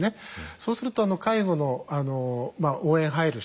そうすると介護の応援入る人